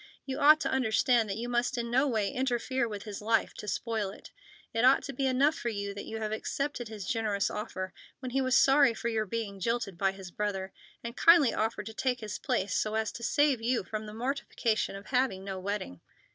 You ought to understand that you must in no way interfere with his life, to spoil it. It ought to be enough for you that you have accepted his generous offer, when he was sorry for your being jilted by his brother, and kindly offered to take his place so as to save you from the mortification of having no wedding.